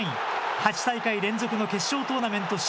８大会連続の決勝トーナメント進